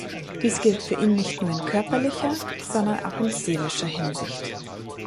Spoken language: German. Dies gilt für ihn nicht nur in körperlicher, sondern auch in seelischer Hinsicht.